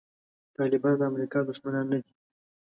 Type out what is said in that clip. طالبان د امریکا دښمنان نه دي.